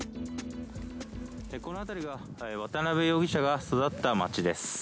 この辺りが渡辺容疑者が育った町です。